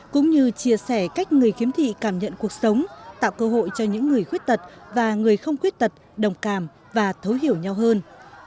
cũng như chia sẻ cách người khiếm thị cảm nhận cuộc sống tạo cơ hội cho những người khuyết tật và người không khuyết tật đồng cảm và thấu hiểu nhau hơn